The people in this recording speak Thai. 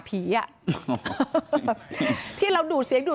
เมื่อเวลาอันดับ